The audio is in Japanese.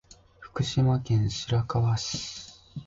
福島県白河市